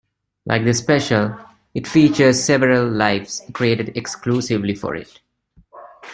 Like the special, it features several lives created exclusively for it.